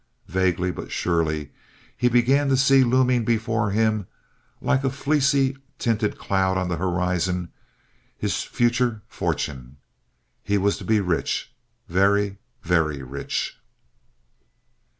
Vaguely but surely he began to see looming before him, like a fleecy tinted cloud on the horizon, his future fortune. He was to be rich, very, very rich.